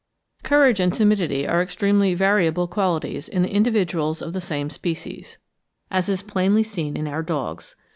Courage and timidity are extremely variable qualities in the individuals of the same species, as is plainly seen in our dogs.